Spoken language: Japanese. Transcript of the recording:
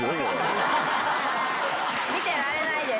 見てられないです。